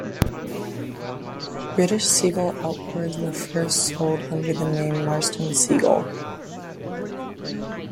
British Seagull outboards were first sold under the name Marston Seagull.